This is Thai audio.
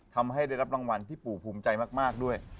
ทำให้ได้รับรางวัลที่ปู่ภูมิใจมากด้วย